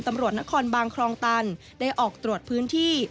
ตำรวจนครบานคลองตันได้ออกตรวจพื้นที่